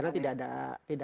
di sana tidak ada